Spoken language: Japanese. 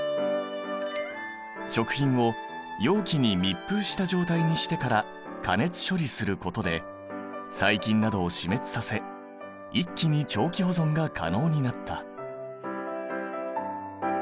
食品を容器に密封した状態にしてから加熱処理することで細菌などを死滅させ一気に長期保存が可能になった。